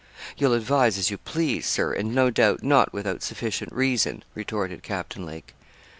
'You'll advise as you please, Sir, and no doubt not without sufficient reason,' retorted Captain Lake.